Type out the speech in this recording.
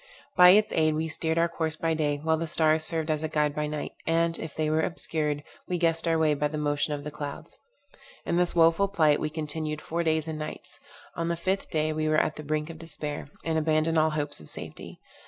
By its aid we steered our course by day, while the stars served as a guide by night; and, if they were obscured, we guessed our way by the motion of the clouds. In this woful plight we continued four days and nights. On the fifth day we were at the brink of despair, and abandoned all hopes of safety.